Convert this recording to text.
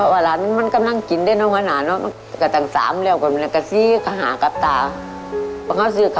ว้างหลานหลายปิว้มแน่อื่น